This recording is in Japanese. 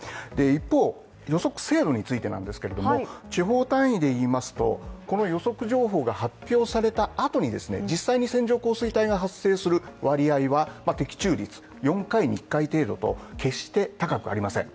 一方、予測精度についてなんですけれども地方単位で言いますと、この予測情報が発表されたあとに実際に線状降水帯が発生する割合、適中率は４回に１回程度と決して高くはありません。